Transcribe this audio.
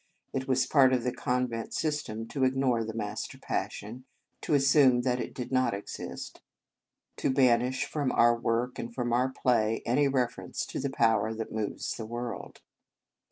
It was part of the con vent system to ignore the master pas sion, to assume that it did not exist, to banish from our work and from our play any reference to the power that moves the world.